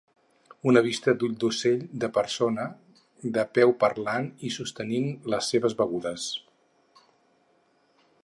Una vista d'ull d'ocell de persones de peu parlant i sostenint les seves begudes.